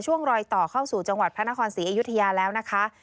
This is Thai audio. รอยต่อเข้าสู่จังหวัดพระนครศรีอยุธยาแล้วนะคะ